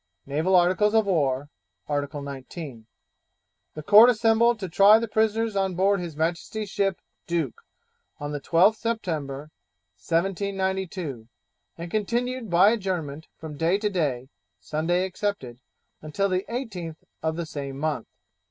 Naval Articles of War, Art. 19. The Court assembled to try the prisoners on board his Majesty's ship Duke, on the 12th September, 1792, and continued by adjournment from day to day (Sunday excepted) until the 18th of the same month.